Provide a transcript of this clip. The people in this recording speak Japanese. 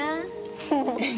フフフ。